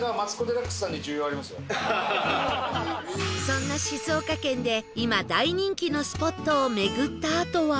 そんな静岡県で今大人気のスポットを巡ったあとは